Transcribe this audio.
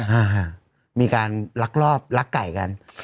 อ่ามีการรักรอบรักไก่กัน